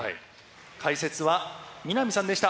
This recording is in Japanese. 解説は南さんでした。